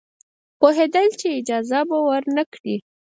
پوهېدل چې اجازه به ورنه کړي.